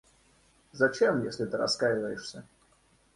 Зачем, если ты раскаиваешься?